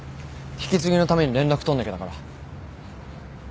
引き継ぎのために連絡取んなきゃだから。